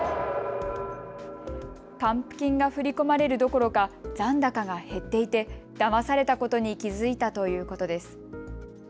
還付金が振り込まれるどころか残高が減っていてだまされたことに気付いたということです。